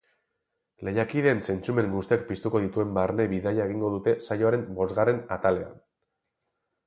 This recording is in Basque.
Lehiakideen zentzumen guztiak piztuko dituen barne bidaia egingo dute saioaren bosgarren atalean.